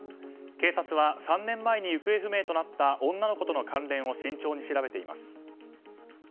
警察は３年前に行方不明となった女の子との関連を慎重に調べています。